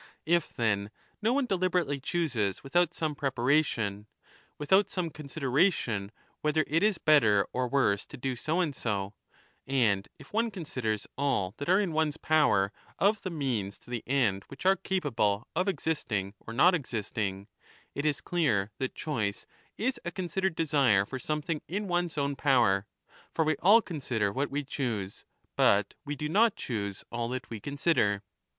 If then, no one deliberately chooses without some preparation, without some considera 15 tion whether it is better or worse to do so and so, and if one considers all that are in one's power of the means to the end w^hich are capable of existing or not existing, it is clear that choice is a considered desire for something in one's own power ; for we all consider what we choose, but we do not choose all that we consider.